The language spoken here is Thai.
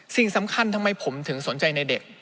สิ่งสำคัญทำไมผมถึงสนใจในเด็ก